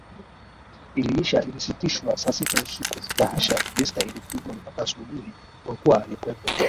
iliisha ilisitishwa saa sita usiku La hasha Fiesta ilipigwa mpaka asubuhi kwa kuwa alikuwepo